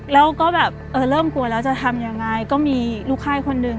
แล้วก็แบบเออเริ่มกลัวแล้วจะทำยังไงก็มีลูกค่ายคนหนึ่ง